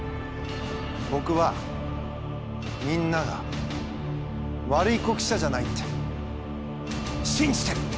ぼくはみんなが悪い子記者じゃないって信じてる！